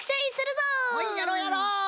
ほいやろうやろう！